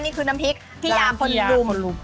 นี้คือน้ำพริกพี่ยาคนลุม